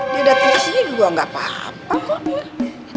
dia udah kesini gue gak apa apa kok